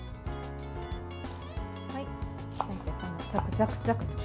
ザクザクザクと。